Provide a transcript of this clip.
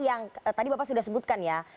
yang tadi bapak sudah sebutkan ya